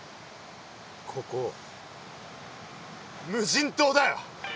ここ無人島だよ！